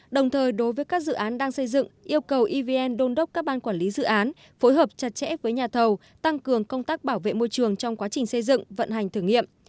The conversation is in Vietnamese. đồng thời đối với các dự án đang xây dựng yêu cầu evn đôn đốc các ban quản lý dự án phối hợp chặt chẽ với nhà thầu tăng cường công tác bảo vệ môi trường trong quá trình xây dựng vận hành thử nghiệm